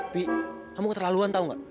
pi kamu ke terlaluan tahu nggak